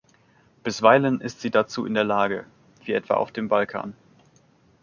Bisweilen ist sie dazu in der Lage, wie etwa auf dem Balkan.